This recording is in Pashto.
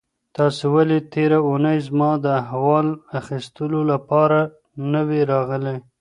تاسو ولې تېره اونۍ زما د احوال اخیستلو لپاره نه وئ راغلي؟